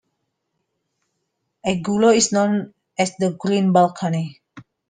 Agulo is known as the "green balcony".